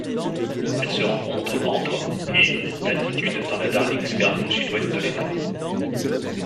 Elle se rencontre entre et d'altitude dans la Darling Scarp au Sud-Ouest de l'État.